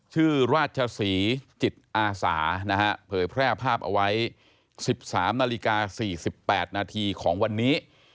ชื่อราชสีจิตอาสานะฮะเผยแพร่ภาพเอาไว้สิบสามนาฬิกาสี่สิบแปดนาทีของวันนี้